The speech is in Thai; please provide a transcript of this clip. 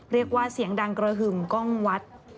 เรียกว่าเสียงดังกระหึ่มกล้องวัด